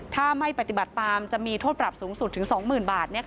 ถ้าไม่ปฏิบัติตามจะมีโทษภัพธ์สูงสุดถึงที่สองหมื่นบาท